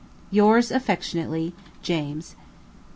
Yours affectionately, JAMES.